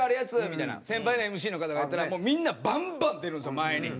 みたいな先輩のＭＣの方が言ったらみんなバンバン出るんですよ前に。